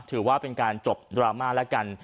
ถือว่าเป็นการจบดราม่าแล้วกัน